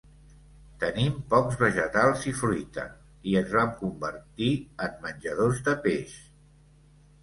Tenim pocs vegetals i fruita, i ens vam convertir en menjadors de peix.